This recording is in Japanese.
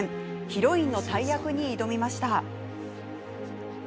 ヒロインの大役に挑みました。